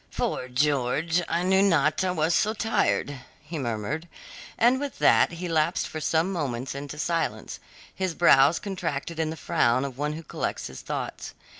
"Fore George, I knew not I was so tired," he murmured. And with that he lapsed for some moments into silence, his brows contracted in the frown of one who collects his thoughts.